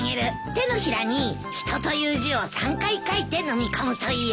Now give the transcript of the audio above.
手のひらに「人」という字を３回書いてのみ込むといいよ。